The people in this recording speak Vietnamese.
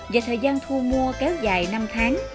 và thời gian thu mua kéo dài năm tháng